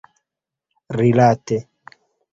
rilate